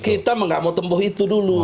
kita nggak mau tembuh itu dulu